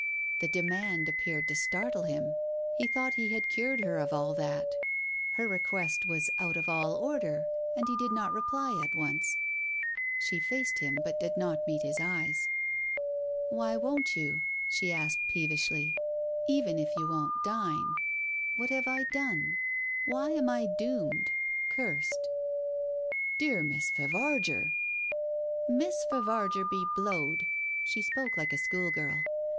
The demand appeared to startle him. He thought he had cured her of £11 that. Her request was out of all order and he did not reply at once. ... She faced him but did not meet his eyes. ... "Why won't you?" she asked peevishly. "Even if you won't dine? What have I done? Why am I doomed? Cursed. ..." "My dear Miss Favarger !..." "Miss Favarger be blowed!" She spoke like a school girl.